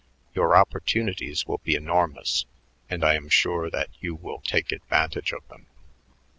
Your opportunities will be enormous, and I am sure that you will take advantage of them.